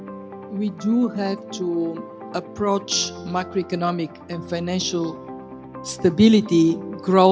kami harus mencari makroekonomi dan stabilitas keuangan